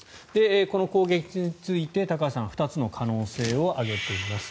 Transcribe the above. この攻撃について高橋さんは２つの可能性を挙げています。